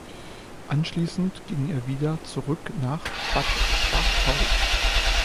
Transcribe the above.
Anschließend ging er wieder zurück nach Bad Schwartau.